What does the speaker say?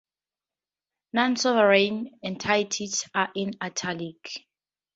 Non-sovereign entities are in italics.